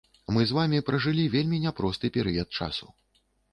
Мы з вамі пражылі вельмі няпросты перыяд часу.